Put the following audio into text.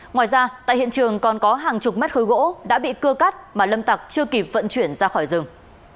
ngoài ra tại hiện trường còn có hàng chục mét khối gỗ đã bị cưa cắt mà lâm tặc chưa kịp vận chuyển ra khỏi rừng